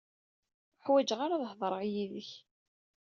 Ur ḥwaǧeɣ ara ad hedreɣ yid-k.